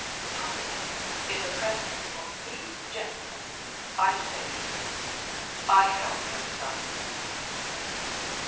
Publicly, in the presence of these gentlemen, I say it I have no son."